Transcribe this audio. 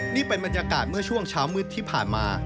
นี่เป็นบรรยากาศเมื่อช่วงเช้ามืดที่ผ่านมา